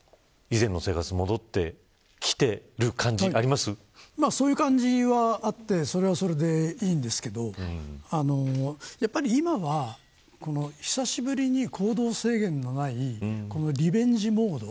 ようやく以前の生活そういう感じはあってそれはそれでいいんですけどやっぱり今は久しぶりに行動制限のないリベンジモード。